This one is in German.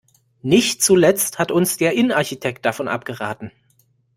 Nicht zuletzt hat uns der Innenarchitekt davon abgeraten.